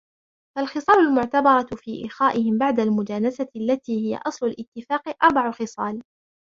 فَالْخِصَالُ الْمُعْتَبَرَةُ فِي إخَائِهِمْ بَعْدَ الْمُجَانَسَةِ الَّتِي هِيَ أَصْلُ الِاتِّفَاقِ أَرْبَعُ خِصَالٍ